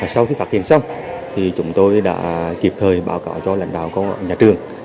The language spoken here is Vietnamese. sau khi phát hiện xong chúng tôi đã kịp thời báo cáo cho lãnh đạo nhà trường